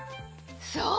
そう！